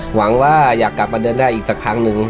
หวังว่าอยากกลับมาเดินได้อีกสักครั้งหนึ่ง